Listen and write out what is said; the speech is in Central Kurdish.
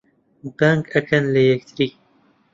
بانگ ئەکەن لە یەکتری